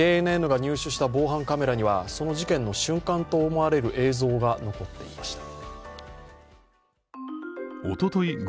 ＪＮＮが入手した防犯カメラにはその事件の瞬間とみられる映像が残っていました。